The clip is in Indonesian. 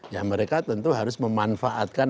ya mereka tentu harus memanfaatkan